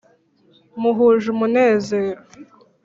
muhuje umunezero